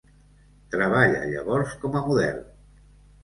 Treballa llavors com a model.